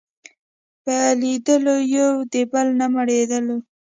په لیدلو یو د بل نه مړېدلو